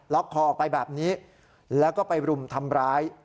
คอออกไปแบบนี้แล้วก็ไปรุมทำร้าย